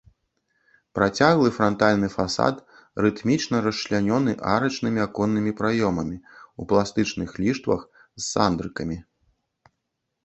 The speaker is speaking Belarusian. Працяглы франтальны фасад рытмічна расчлянёны арачнымі аконнымі праёмамі ў пластычных ліштвах з сандрыкамі.